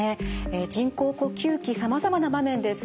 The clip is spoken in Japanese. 人工呼吸器さまざまな場面で使われます。